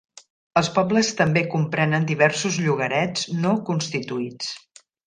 Els pobles també comprenen diversos llogarets no constituïts.